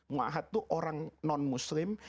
mu'ahad itu orang non muslim